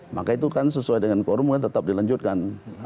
maka itu kan sesuai dengan quorum tetap dilanjutkan